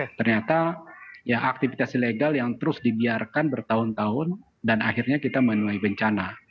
jadi ini adalah aktivitas ilegal yang terus dibiarkan bertahun tahun dan akhirnya kita menemui bencana